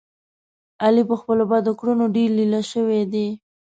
علي په خپلو بدو کړنو ډېر لیله شو دی.